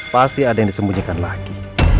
pasti ada yang disembunyikan lagi